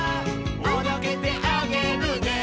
「おどけてあげるね」